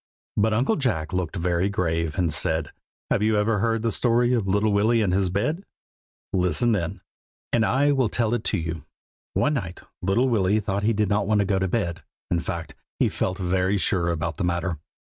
But Uncle Jack looked very grave, and said, "Have you never heard the story of Little Willy and his bed? listen then, and I will tell it to you." [Illustration: MRS. POSSET.] "One night, little Willy thought he did not want to go to bed. In fact, he felt very sure about the matter.